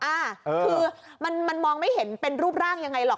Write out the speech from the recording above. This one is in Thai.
อ่าคือมันมองไม่เห็นเป็นรูปร่างยังไงหรอก